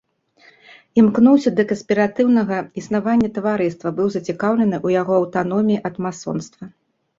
Імкнуўся да канспіратыўнага існавання таварыства, быў зацікаўлены ў яго аўтаноміі ад масонства.